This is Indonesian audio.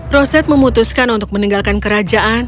roset memutuskan untuk meninggalkan kerajaan